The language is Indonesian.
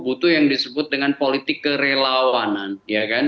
butuh yang disebut dengan politik kerelawanan